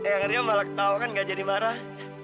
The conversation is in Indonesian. yang ngeri lo malah ketawa kan gak jadi marah